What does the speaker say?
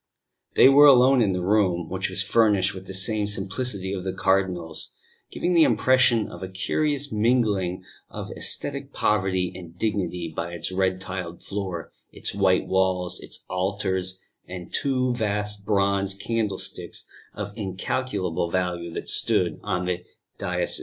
They were alone in the room, which was furnished with the same simplicity as the Cardinal's giving the impression of a curious mingling of ascetic poverty and dignity by its red tiled floor, its white walls, its altar and two vast bronze candlesticks of incalculable value that stood on the dais.